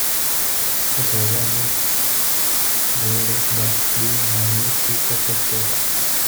The program is graded by being run with secret test data.